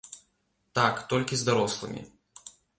Так, толькі з дарослымі.